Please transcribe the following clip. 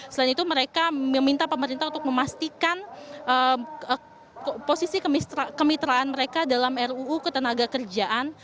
selain itu mereka meminta pemerintah untuk memastikan posisi kemitraan mereka dalam ruu ketenaga kerjaan